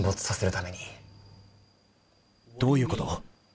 ・どういうこと？